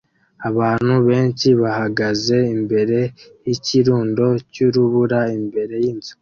Abantu benshi bahagaze imbere yikirundo cyurubura imbere yinzu